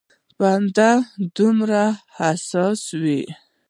بنده دومره حساس وي.